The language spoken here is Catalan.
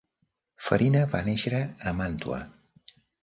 Farina va néixer a Màntua.